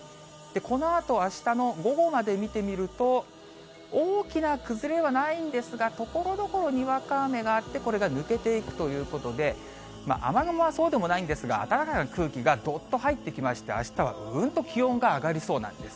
このあと、あしたの午後まで見てみると、大きな崩れはないんですが、ところどころにわか雨があって、これが抜けていくということで、雨雲はそうでもないんですが、暖かな空気がどっと入ってきまして、あしたはうんと気温が上がりそうなんです。